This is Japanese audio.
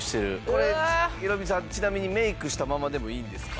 これヒロミさんちなみにメイクしたままでもいいんですか？